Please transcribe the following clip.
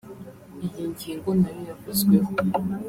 iyi ngingo nayo yavuzweho